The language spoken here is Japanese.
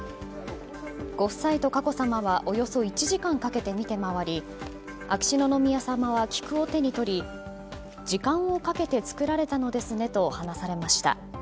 ご夫妻と佳子さまはおよそ１時間かけて見て回り秋篠宮さまは菊を手に取り時間をかけて作られたのですねと話されました。